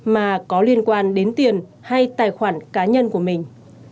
mà có liên quan đến tiền hay tài khoản cá nhân của mình